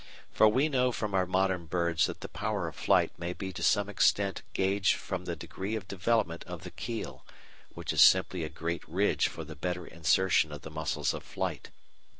For we know from our modern birds that the power of flight may be to some extent gauged from the degree of development of the keel, which is simply a great ridge for the better insertion of the muscles of flight.